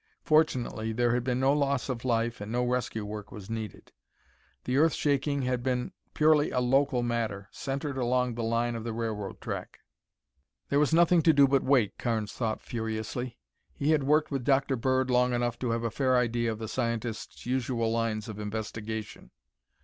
Fortunately there had been no loss of life and no rescue work was needed. The earth shaking had been purely a local matter, centered along the line of the railroad track. There was nothing to do but wait, Carnes thought furiously. He had worked with Dr. Bird long enough to have a fair idea of the scientist's usual lines of investigation.